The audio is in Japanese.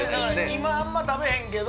今あんま食べへんけど。